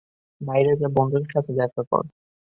বাইরে যা, বন্ধুদের সাথে দেখা কর।